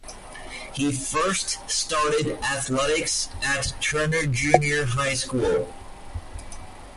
He first started athletics at Turner Junior High School.